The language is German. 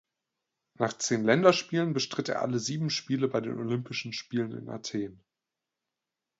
Nach zehn Länderspielen bestritt er alle sieben Spiele bei den Olympischen Spielen in Athen.